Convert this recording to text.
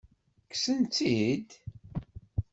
Kksen-tt-id?